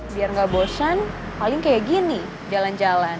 biar nggak bosan paling kayak gini jalan jalan